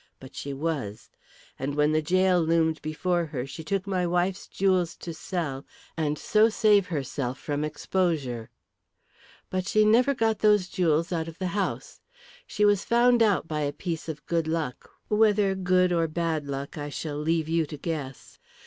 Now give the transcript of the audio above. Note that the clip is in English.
But she was. And when the gaol loomed before her she took my wife's jewels to sell and so save herself from exposure. "But she never got those jewels out of the house. She was found out by a piece of good luck whether good or bad luck I shall leave you to guess.